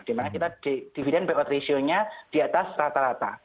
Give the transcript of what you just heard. dimana kita dividen pay out ratio nya di atas rata rata